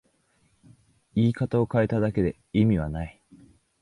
言い方を変えただけで意味はない